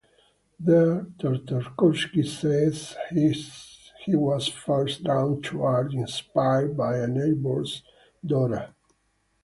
There, Tartakovsky says he was first drawn to art, inspired by a neighbor's daughter.